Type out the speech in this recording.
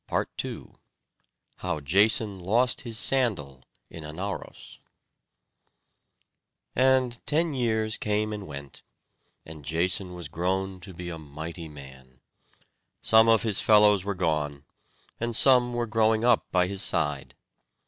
PART II How Jason Lost His Sandal in Anauros And ten years came and went, and Jason was grown to be a mighty man. Some of his fellows were gone, and some were growing up by his side.